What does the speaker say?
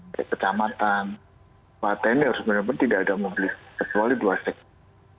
di kecamatan pak teni harus benar benar tidak ada mobilitas kecuali dua sektor